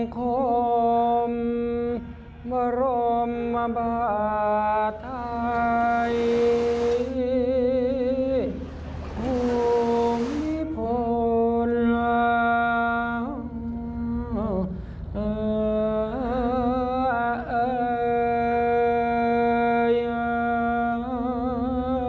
พิพูนรัมเอยพระเสด็จสู่เมืองบนรัม